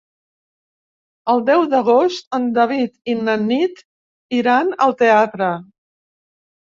El deu d'agost en David i na Nit iran al teatre.